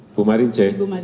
ibu marin c